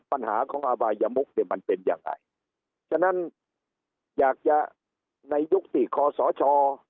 ปัญหาของอบายมุกเนี่ยมันเป็นยังไงฉะนั้นอยากจะในยุคที่คอสช